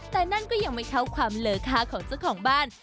แต่นั่นก็ยังไม่เท่าความเลอค่าของเจ้าของบ้าน